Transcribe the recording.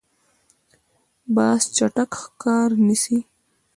باز چټک ښکار نیسي.